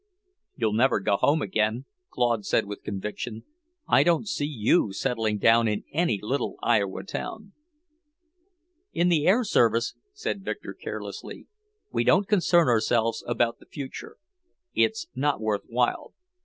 "You'll never go home again," Claude said with conviction. "I don't see you settling down in any little Iowa town." "In the air service," said Victor carelessly, "we don't concern ourselves about the future. It's not worth while."